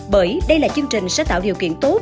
bởi đây là chương trình sẽ tạo điều kiện tốt